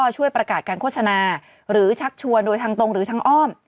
ช่วยประกาศการโฆษณาหรือชักชวนโดยทางตรงหรือทางอ้อม